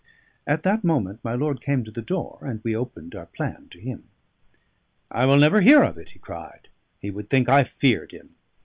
At that moment my lord came to the door, and we opened our plan to him. "I will never hear of it," he cried; "he would think I feared him.